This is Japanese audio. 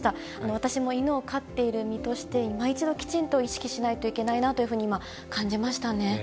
私も犬を飼っている身として、今一度、きちんと意識しないといけないなというふうに今、感じましたね。